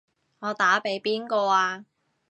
我打畀邊個啊？